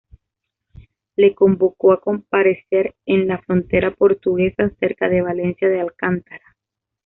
Le convocó a comparecer en la frontera portuguesa, cerca de Valencia de Alcántara.